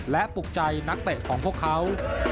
และปลูกใจนักเตะของพวกเขา